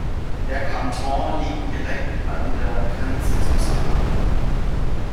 Der Kanton lag direkt an der Grenze zum Saarland.